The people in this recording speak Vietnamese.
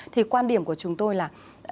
thì quan điểm của chúng tôi là